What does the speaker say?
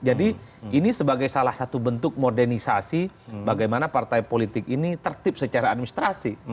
jadi ini sebagai salah satu bentuk modernisasi bagaimana partai politik ini tertip secara administrasi